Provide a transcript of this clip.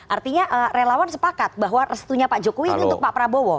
artinya relawan sepakat bahwa restunya pak jokowi ini untuk pak prabowo